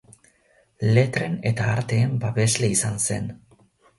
Letren eta arteen babesle izan zen.